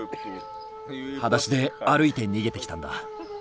はだしで歩いて逃げてきたんだ。